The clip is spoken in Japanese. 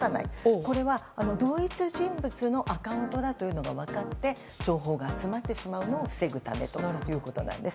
これは、同一人物のアカウントだというのが分かって情報が集まってしまうのを防ぐためということなんです。